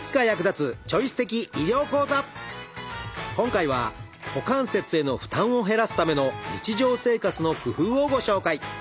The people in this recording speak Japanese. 今回は股関節への負担を減らすための日常生活の工夫をご紹介！